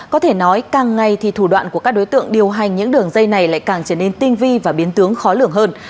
có thể nói càng ngày thì thủ đoạn của các đối tượng điều hành những đường dây này lại càng trở nên tinh vi và biến tướng khó lường hơn